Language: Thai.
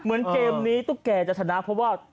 เหมือนเกมนี้ตุ๊กแกจะชนะเพราะว่า